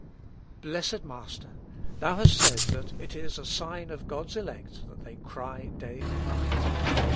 Blessed Master ! Thou hast said that it is a sign of God's elect that they cry day and night.